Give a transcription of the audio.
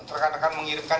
rekan rekan mengirimkan